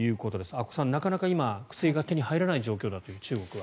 阿古さん、なかなか今薬が手に入らない状況だという中国は。